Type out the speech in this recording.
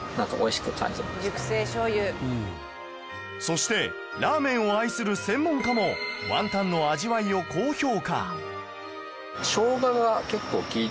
そしてラーメンを愛する専門家もワンタンの味わいを高評価